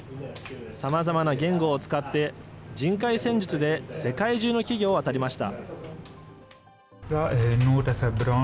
さまざまな言語を使って、人海戦術で世界中の企業を当たりました。